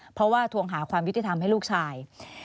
เพราะว่าทวงหาความยุติธรรมให้ลูกชาย